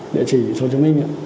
địa chỉ số chứng